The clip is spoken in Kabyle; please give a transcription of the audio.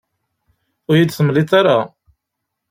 Ur iyi-t-id-temliḍ ara.